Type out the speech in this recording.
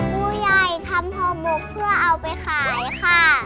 ผู้ใหญ่ทำห่อหมกเพื่อเอาไปขายค่ะ